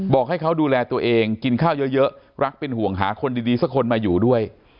บอกให้เขาดูแลตัวเองกินข้าวเยอะรักเป็นห่วงหาคนดีสักคนมาอยู่ด้วย